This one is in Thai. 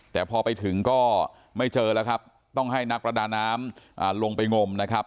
แต่พอไปถึงก็ไม่เจอแล้วครับต้องให้นักประดาน้ำลงไปงมนะครับ